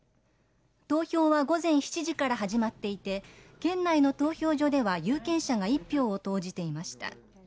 投票は午前７時から始まっていて県内の投票所では有権者が１票を投じていました。